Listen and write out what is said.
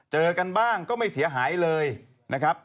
เจอกันบ้างก็ไม่เสียหายเลยนะครับ